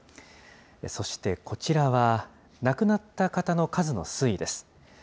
そして、こちらは、亡くなった方の数の推移です。